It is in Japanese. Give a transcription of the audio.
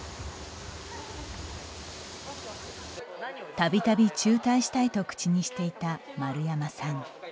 たびたび中退したいと口にしていた丸山さん。